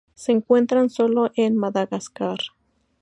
Se encuentran sólo en Madagascar.